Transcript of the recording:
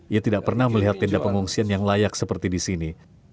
ia tidak pernah melihat tenda pengungsian yang layak seperti di sini